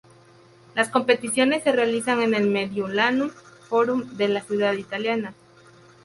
Las competiciones se realizan en el Mediolanum Forum de la ciudad italiana.